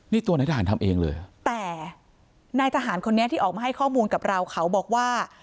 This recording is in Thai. นี่ตัวนายทหารทำเองเลยเหรอแต่นายทหารคนนี้ที่ออกมาให้ข้อมูลกับเราเขาบอกว่า